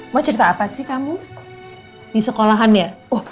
mau cerita apa sih kamu di sekolahannya